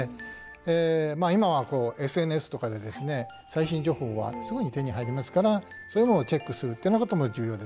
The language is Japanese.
最新情報はすぐに手に入りますからそういうものをチェックするということも重要ですね。